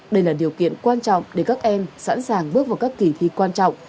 đây là điều kiện quan trọng để các em sẵn sàng bước vào các kỳ thi quan trọng